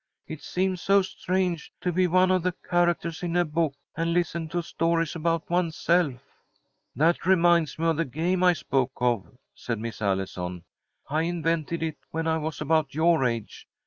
"It seems so strange to be one of the characters in a book, and listen to stories about oneself." "That reminds me of the game I spoke of," said Miss Allison. "I invented it when I was about your age.